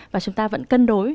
và chúng ta vẫn cân đối